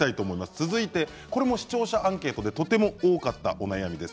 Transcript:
続いても視聴者アンケートでとても多かったお悩みです。